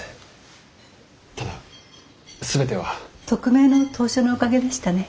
匿名の投書のおかげでしたね。